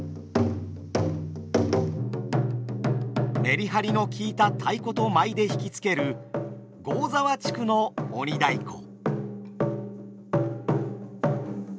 メリハリのきいた太鼓と舞で引き付ける合沢地区の鬼太鼓。